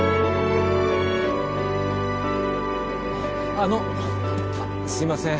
あのあっすいません。